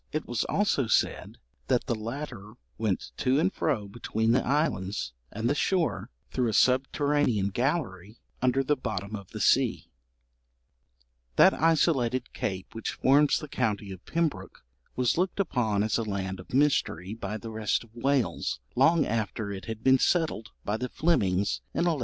It was also said that the latter went to and fro between the islands and the shore through a subterranean gallery under the bottom of the sea. [Illustration: FAIRIES MARKETING AT LAUGHARNE.] That isolated cape which forms the county of Pembroke was looked upon as a land of mystery by the rest of Wales long after it had been settled by the Flemings in 1113.